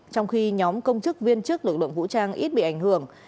trong khi nhóm công chức viên chức lực lượng vũ trang ít bị ảnh hưởng